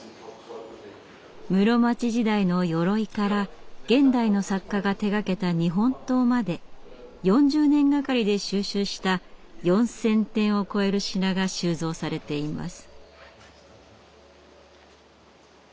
室町時代のよろいから現代の作家が手がけた日本刀まで４０年がかりで収集した４，０００点を超える品が収蔵されています。